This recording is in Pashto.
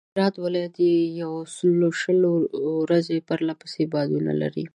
هرات ولایت یوسلوشل ورځي پرله پسې بادونه لري.